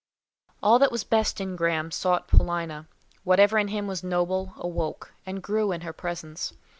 All that was best in Graham sought Paulina; whatever in him was noble, awoke, and grew in her presence.